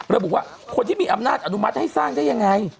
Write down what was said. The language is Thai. ระบุว่าคนที่มีอำนาจอนุมัติให้สร้างได้ยังไง